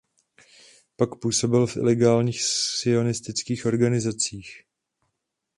Pak působil v ilegálních sionistických organizacích.